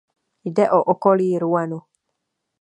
Jde o okolí Rouenu.